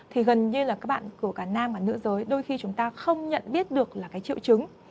thì gần như là các bạn của cả nam và nữ giới đôi khi chúng ta không nhận biết được là cái triệu chứng